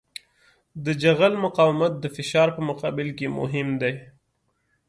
د جغل مقاومت د فشار په مقابل کې مهم دی